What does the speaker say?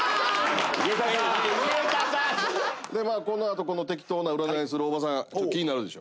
このあとこの適当な占いするおばさん気になるでしょ